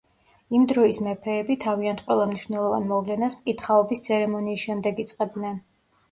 იმ დროს მეფეები თავიანთ ყველა მნიშვნელოვან მოვლენას მკითხაობის ცერემონიის შემდეგ იწყებდნენ.